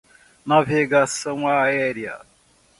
Navegação aérea